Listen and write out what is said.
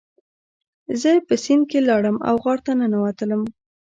زه په سیند کې لاړم او غار ته ننوتلم.